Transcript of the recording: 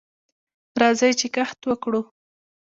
راځئ چې کښت وکړو.